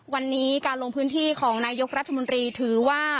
วันนี้การลงพื้นที่ของนายกรัฐมนตรีถือว่า